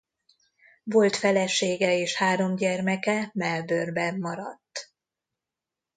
Volt felesége és három gyermeke Melbourne-ben maradt.